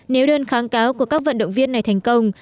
nếu đơn kháng cáo của các vận động viên này thành công